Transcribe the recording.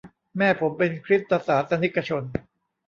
แม่ผมเป็นคริสตศาสนิกชน